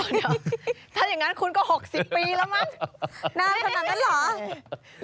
เดี๋ยวถ้าอย่างนั้นคุณก็๖๐ปีแล้วมั้งนานขนาดนั้นเหรอ